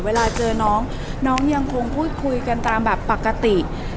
เวลาเจอน้องน้องยังคงพูดคุยกันตามแบบปกติ